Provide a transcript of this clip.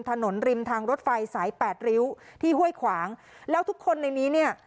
ถนนริมทางรถไฟสายแปดริ้วที่ห้วยขวางแล้วทุกคนในนี้เนี่ย